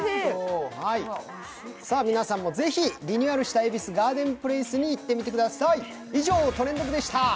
皆さんもぜひ、リニューアルした恵比寿ガーデンプレイスに行ってみてください。